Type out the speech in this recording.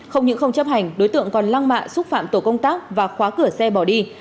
không những không chấp hành đối tượng còn lăng mạ xúc phạm tổ công tác và khóa cửa xe bỏ đi